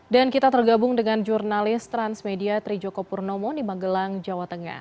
dan kita tergabung dengan jurnalis transmedia trijoko purnomo di magelang jawa tengah